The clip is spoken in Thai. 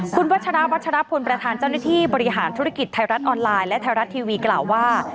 คุณวัชราวัชรพลประธานเจ้าหน้าที่บริหารธุรกิจไทยรัฐออนไลน์และไทยรัฐทีวีกล่าวว่า